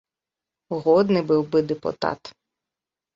Годны быў бы дэпутат!